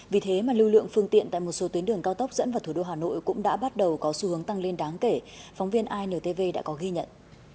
vì thế mà lưu lượng phương tiện tại một số tuyến đường cao tốc dẫn vào thủ đô hà nội cũng đã bắt đầu có xu hướng tăng lên đáng kể phóng viên intv đã có ghi nhận